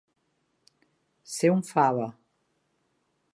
Ser un fava.